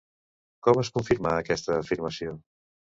Com es confirma aquesta afirmació?